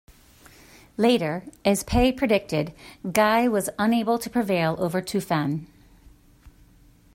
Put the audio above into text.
Later, as Pei predicted, Gai was unable to prevail over Tufan.